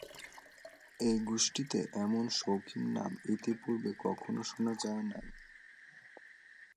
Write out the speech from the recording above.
এ গোষ্ঠীতে এমন শৌখিন নাম ইতিপূর্বে কখনো শোনা যায় নাই।